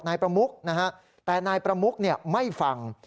นายประมุกนะฮะแต่นายประมุกไม่ฟัง